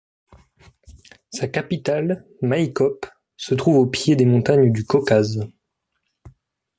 Sa capitale, Maïkop, se trouve au pied des montagnes du Caucase.